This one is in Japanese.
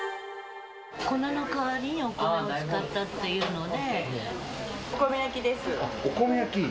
粉の代わりにお米を使ったっおこめ焼きです。